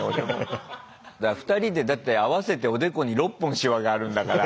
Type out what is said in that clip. ２人でだって合わせておでこに６本シワがあるんだから。